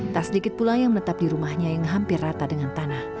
tak sedikit pula yang menetap di rumahnya yang hampir rata dengan tanah